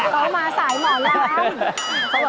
ตอบมาสายหมอล้ำ